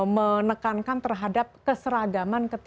menekankan terhadap keseragaman